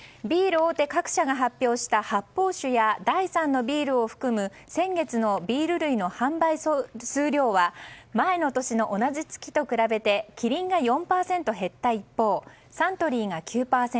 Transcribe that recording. ビール大手各社が発表した発泡酒や第３のビールを含む先月のビール類の販売総数量は前の年の同じ月と比べてキリンが４％減った一方サントリーが９％